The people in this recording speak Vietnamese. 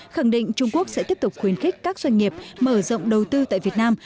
khẳng định trung quốc sẽ tiếp tục khuyến khích các doanh nghiệp mở rộng đầu tư tại việt nam